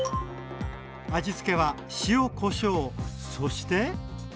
味付けは塩こしょうそして。